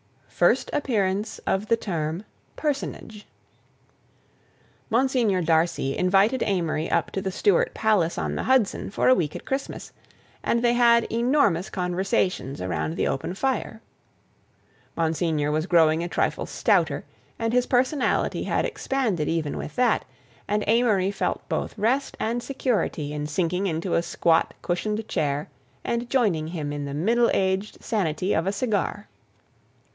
FIRST APPEARANCE OF THE TERM "PERSONAGE" Monsignor Darcy invited Amory up to the Stuart palace on the Hudson for a week at Christmas, and they had enormous conversations around the open fire. Monsignor was growing a trifle stouter and his personality had expanded even with that, and Amory felt both rest and security in sinking into a squat, cushioned chair and joining him in the middle aged sanity of a cigar.